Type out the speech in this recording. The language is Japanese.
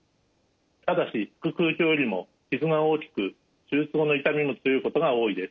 ただし腹腔鏡よりも傷が大きく手術後の痛みも強いことが多いです。